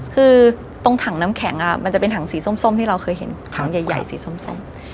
คือตรงถังน้ำแข็งมันจะเป็นถังสีส้มที่เราเคยเห็นถังใหญ่สีส้ม